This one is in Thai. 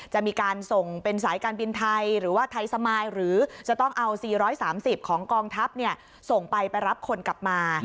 จะมีการส่งเป็นสายการบินไทยหรือว่าไทยสมายหรือจะต้องเอา๔๓๐ของกองทัพส่งไปไปรับคนกลับมา